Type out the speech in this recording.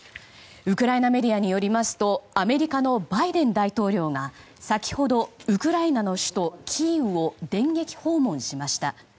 ウクライナメディアによりますとアメリカのバイデン大統領が先ほどウクライナの首都キーウを電撃訪問しました。